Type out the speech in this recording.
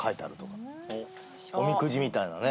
おみくじみたいなね。